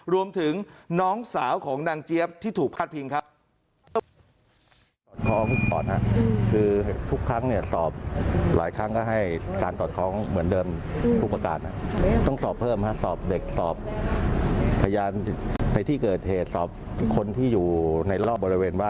รวมถึงน้องสาวของนางเจี๊ยบที่ถูกพาดพิงครับ